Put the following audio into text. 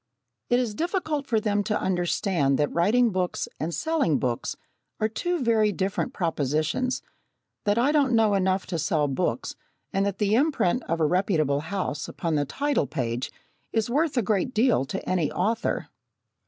It is difficult for them to understand that writing books and selling books are two very different propositions that I don't know enough to sell books, and that the imprint of a reputable house upon the title page is worth a great deal to any author.